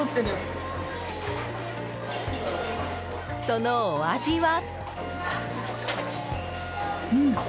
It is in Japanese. そのお味は。